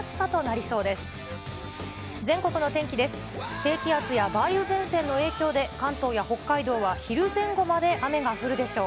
低気圧や梅雨前線の影響で、関東や北海道は昼前後まで雨が降るでしょう。